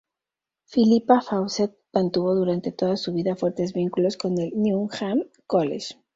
Philippa Fawcett mantuvo durante toda su vida fuertes vínculos con el Newnham College.